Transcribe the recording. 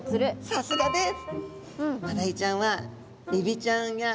さすがです！